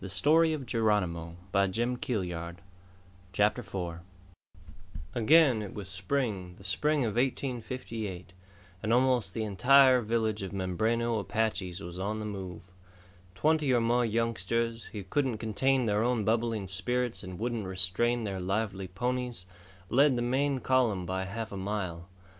It was a full and wonderful life for all. CHAPTER FOUR Massacre Again it was spring, the spring of 1858, and almost the entire village of Mimbreno Apaches was on the move. Twenty or more youngsters, who couldn't contain their own bubbling spirits and wouldn't restrain their lively ponies, led the main column by half a mile.